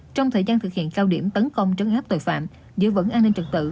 trong thời gian thực hiện cao điểm tấn công chấn áp tội phạm giữa vững an ninh trật tự